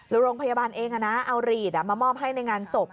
แล้วโรงพยาบาลเองเอาหลีดมามอบให้ในงานศพ